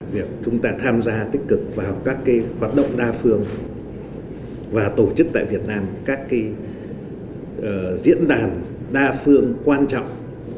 việc chúng ta tham gia tích cực vào các hoạt động đa phương và tổ chức tại việt nam các diễn đàn đa phương quan trọng